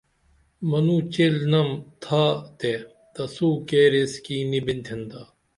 منوں چیلنم تھاتے تسو کیر ایس کی نی بینتھین تا